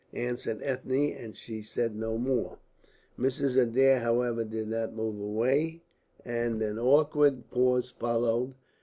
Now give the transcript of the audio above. answered Ethne, and she said no more. Mrs. Adair, however, did not move away, and an awkward pause followed.